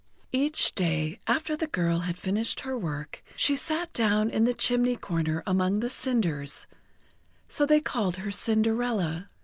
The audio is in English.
Each day, after the girl had finished her work, she sat down in the chimney corner among the cinders so they called her Cinderella.